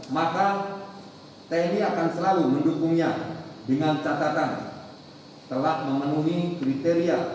maka tni akan selalu mendukungnya dengan catatan telah memenuhi kriteria